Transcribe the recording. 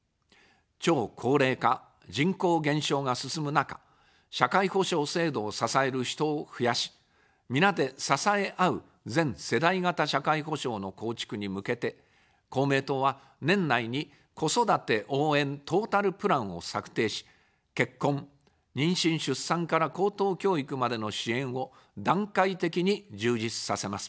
超高齢化・人口減少が進む中、社会保障制度を支える人を増やし、皆で支え合う全世代型社会保障の構築に向けて、公明党は、年内に子育て応援トータルプランを策定し、結婚、妊娠・出産から高等教育までの支援を段階的に充実させます。